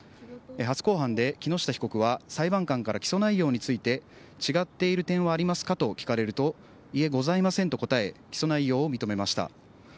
初公判で木下被告は、裁判官から起訴内容について違っている点はありますかと聞かれると、いえ、ございませんと答え、起訴内容を認めました